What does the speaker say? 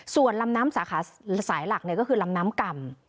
ส่วนลำน้ำสาขาสายหลักก็คือลำน้ำก่ำ